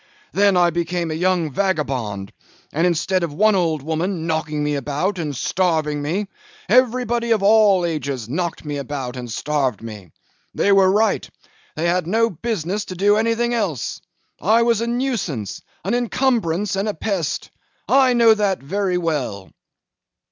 Then I became a young vagabond; and instead of one old woman knocking me about and starving me, everybody of all ages knocked me about and starved me. They were right; they had no business to do anything else. I was a nuisance, an incumbrance, and a pest. I know that very well.